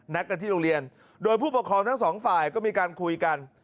กันที่โรงเรียนโดยผู้ปกครองทั้งสองฝ่ายก็มีการคุยกัน